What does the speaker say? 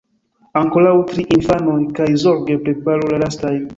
Ankoraŭ tri, infanoj; kaj zorge preparu la lastajn.